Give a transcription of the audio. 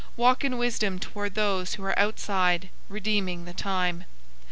004:005 Walk in wisdom toward those who are outside, redeeming the time.